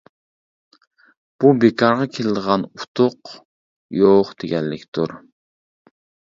بۇ بىكارغا كېلىدىغان ئۇتۇق يوق دېگەنلىكتۇر.